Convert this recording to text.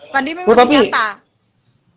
pandemi masih nyata